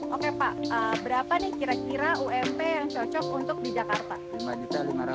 oke pak berapa nih kira kira ump yang cocok untuk di jakarta